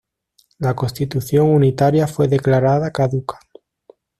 La constitución unitaria fue declarada caduca.